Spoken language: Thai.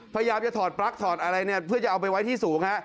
พยายามจะถอดปลั๊กถอดอะไรเนี่ยเพื่อจะเอาไปไว้ที่สูงฮะ